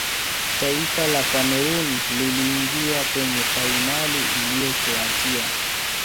taifa la cameroon liliingia kwenye fainali iliyofuatia